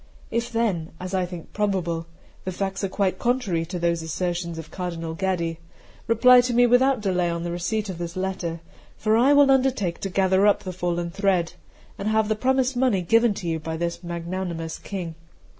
If then, as I think probable, the facts are quite contrary to those assertions of Cardinal Gaddi, reply to me without delay upon the receipt of this letter; for I will undertake to gather up the fallen thread, and have the promised money given you by this magnanimous King."'